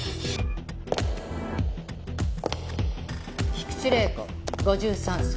菊池玲子５３歳。